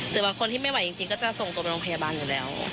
แต่บางคนที่ไม่ไหวจริงก็จะส่งตัวไปโรงพยาบาลอยู่แล้ว